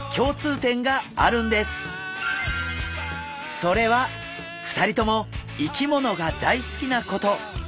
それは２人とも生き物が大好きなこと。